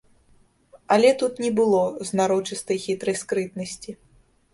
Але тут не было знарочыстай хітрай скрытнасці.